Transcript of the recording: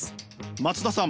松田さん